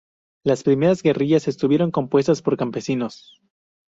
Las primeras guerrillas estuvieron compuestas por campesinos.